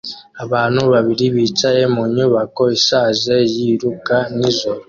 Abantu babiri bicaye mu nyubako ishaje yiruka nijoro